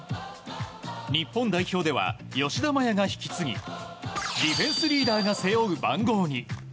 日本代表では吉田麻也が引き継ぎディフェンスリーダーが背負う番号に。